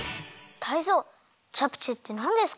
タイゾウチャプチェってなんですか？